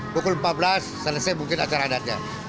pukul empat belas selesai mungkin acara adatnya